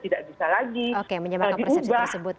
tidak bisa lagi lagi ubah